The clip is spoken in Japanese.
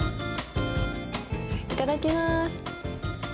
いただきまーす。